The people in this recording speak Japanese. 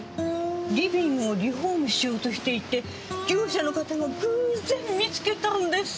リビングをリフォームしようとしていて業者の方が偶然見つけたんです。